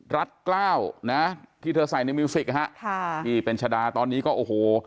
รัฐกล้าวนะที่เธอใส่ในมิวสิกฮะค่ะที่เป็นชะดาตอนนี้ก็โอ้โห